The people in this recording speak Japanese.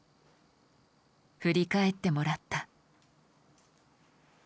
振り返ってもらった。